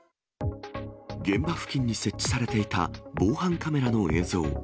現場付近に設置されていた防犯カメラの映像。